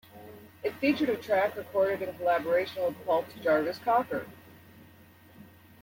It featured a track recorded in collaboration with Pulp's Jarvis Cocker.